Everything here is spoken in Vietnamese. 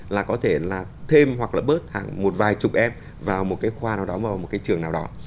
là có thể là thêm hoặc là bớt một vài chục em vào một cái khoa nào đó vào một cái trường nào đó